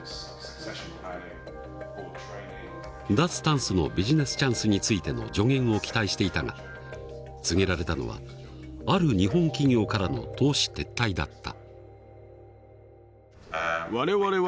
脱炭素のビジネスチャンスについての助言を期待していたが告げられたのはある日本企業からの投資撤退だった。